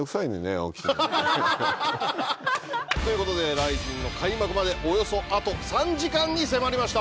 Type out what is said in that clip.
青木真也。ということでＲＩＺＩＮの開幕までおよそあと３時間に迫りました。